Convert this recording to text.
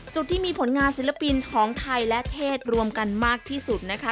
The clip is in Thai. จุดที่มีผลงานศิลปินของไทยและเทศรวมกันมากที่สุดนะคะ